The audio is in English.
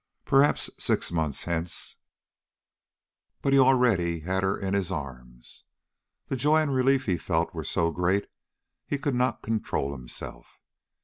Perhaps six months hence " But he already had her in his arms. The joy and relief he felt were so great he could not control himself.